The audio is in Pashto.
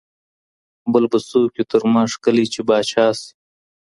بل به څوک وي تر ما ښکلی چي پاچا سي